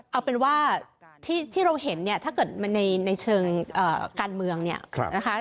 เอาเป็นว่าที่เราเห็นเนี่ยถ้าเกิดมันในเชิงการเมืองเนี่ยนะคะ